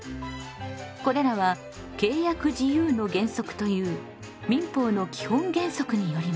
これらは契約自由の原則という民法の基本原則によります。